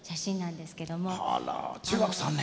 あら中学３年。